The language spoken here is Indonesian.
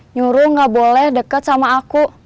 nyuruh gak boleh deket sama aku